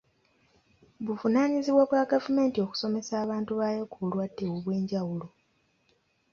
Buvunaanyizibwa bwa gavumenti okusomesa abantu baayo ku bulwadde obw'enjawulo.